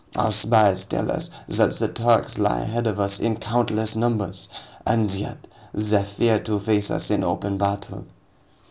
Our spies tell us that the Turks lie ahead of us in countless numbers. And yet, they fear to face us in open battle."